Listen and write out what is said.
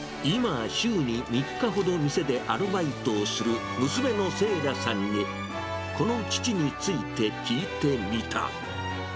今、週に３日ほど店でアルバイトをする娘の星来さんに、この父について聞いてみた。